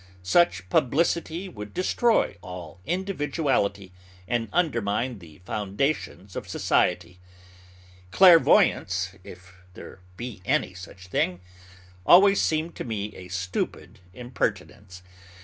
Such publicity would destroy all individuality, and undermine the foundations of society. Clairvoyance if there be any such thing always seemed to me a stupid impertinence.